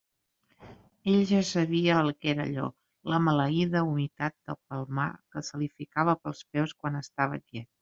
Ell ja sabia el que era allò: la maleïda humitat del Palmar que se li ficava pels peus quan estava quiet.